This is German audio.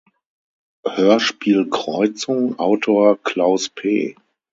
Hörspiel-Kreuzung, Autor Klaus-P.